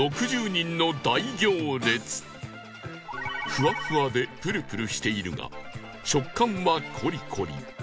ふわふわでプルプルしているが食感はコリコリ